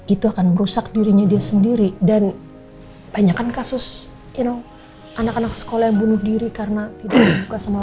itu akan merusak dirinya sendiri dan banyakan kasus you know anak anak sekolah yang bunuh diri karena tidak dibuka sama orang tuanya